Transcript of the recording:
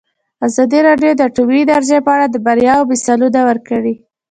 ازادي راډیو د اټومي انرژي په اړه د بریاوو مثالونه ورکړي.